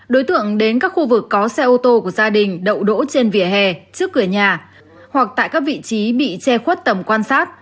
đối tượng đến các khu vực có xe ô tô của gia đình đậu đỗ trên vỉa hè trước cửa nhà hoặc tại các vị trí bị che khuất tầm quan sát